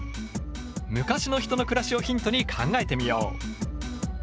昔の人の暮らしをヒントに考えてみよう。